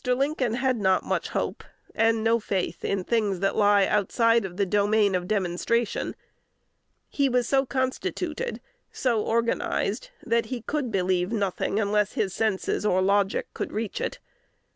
Lincoln had not much hope and no faith in things that lie outside of the domain of demonstration: he was so constituted, so organized, that he could believe nothing unless his senses or logic could reach it.